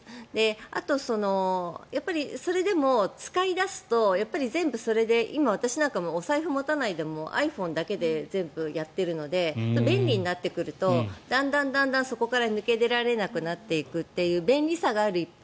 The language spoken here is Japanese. あと、それでも使い出すと全部それで今、私なんかもお財布を持たないでｉＰｈｏｎｅだけで全部やっているので便利になってくるとだんだん、そこから抜け出られなくなってくるという便利さがある一方